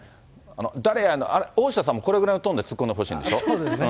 誰やね、大下さんもこれぐらいのトーンで突っ込んでほしいんでしそうですね。